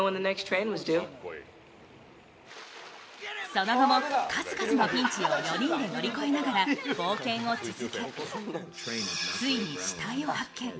その後も数々のピンチを４人で乗り越えながら冒険を続け、ついに死体を発見。